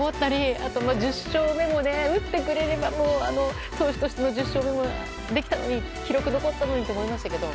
あと、１０勝目も打ってくれれば投手としての１０勝もできたのに記録残ったのにと思いましたけど。